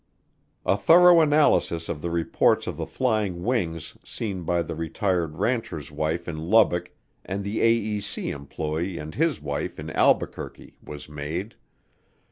A thorough analysis of the reports of the flying wings seen by the retired rancher's wife in Lubbock and the AEC employee and his wife in Albuquerque was made.